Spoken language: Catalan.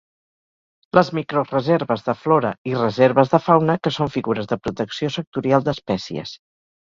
Les microreserves de flora i reserves de fauna que són figures de protecció sectorial d'espècies.